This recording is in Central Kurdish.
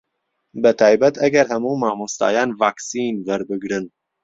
بەتایبەت ئەگەر هەموو مامۆستایان ڤاکسین وەربگرن